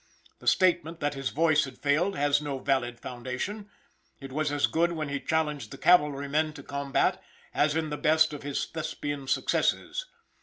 The statement that his voice had failed has no valid foundation; it was as good when he challenged the cavalry men to combat as in the best of his Thespian successes.